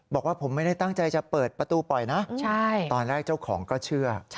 บอกว่าผมไม่ได้ตั้งใจจะเปิดประตูปล่อยนะตอนแรกเจ้าของก็เชื่อ